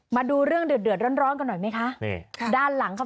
มาดูเรื่องเดือดเดือดร้อนร้อนกันหน่อยไหมคะนี่ค่ะด้านหลังค่ะ